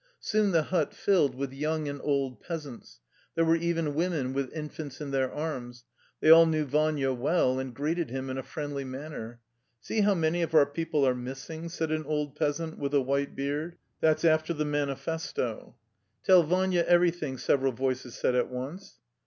Soon the hut filled with young and old peas ants. There were even women with infants in their arms. They all knew Vania well, and greeted him in a friendly manner. " See how many of our people are missing !" said an old peasant with a white beard. "That's after the manifesto." " Tell Vania everything," several voices said at once.